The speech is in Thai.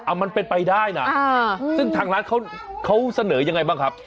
มันเป็นไปได้นะซึ่งทางร้านเขาเสนอยังไงบ้างครับ